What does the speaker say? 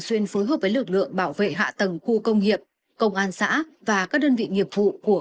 xuyên phối hợp với lực lượng bảo vệ hạ tầng khu công nghiệp công an xã và các đơn vị nghiệp vụ của